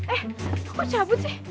eh kok cabut sih